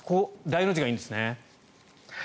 大の字がいいんですね。